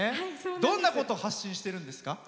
どんなことを発信してるんですか？